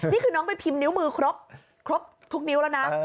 นี่คือน้องไปพิมพ์นิ้วมือครบทุกนิ้วแล้วนะ